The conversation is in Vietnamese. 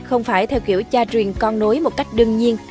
không phải theo kiểu cha truyền con nối một cách đương nhiên